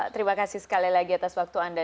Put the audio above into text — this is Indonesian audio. terima kasih sekali lagi atas waktu anda